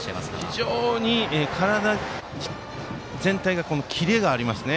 非常に体全体がキレがありますね。